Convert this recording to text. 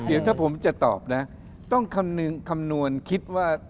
เดี๋ยวถ้าผมจะตอบนะต้องคำนึงคำนวณคิดว่า